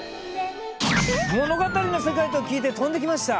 「物語の世界」と聞いて飛んできました！